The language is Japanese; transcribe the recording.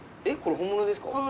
本物です。